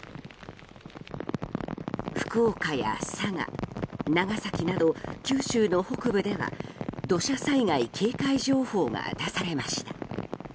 福岡や佐賀、長崎など九州の北部では土砂災害警戒情報が出されました。